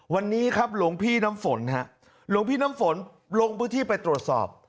วันนี้ครับหลวงพี่น้ำฝนฮะหลวงพี่น้ำฝนลงพื้นที่ไปตรวจสอบ